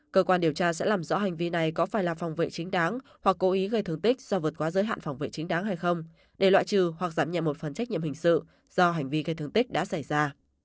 cơ quan điều tra sẽ làm rõ hành vi này có phải là phòng vệ chính đáng hoặc cố ý gây thương tích do vượt quá giới hạn phòng vệ chính đáng hay không để loại trừ hoặc giảm nhẹ một phần trách nhiệm hình sự do hành vi gây thương tích đã xảy ra